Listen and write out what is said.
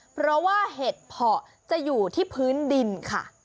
เพราะว่าเห็ดเพาะจะอยู่ที่พื้นดินค่ะ